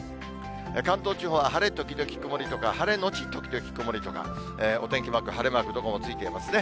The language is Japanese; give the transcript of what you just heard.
関東地方は晴れ時々曇りとか、晴れ後時々曇りとか、お天気マーク、晴れマーク、どこもついていますね。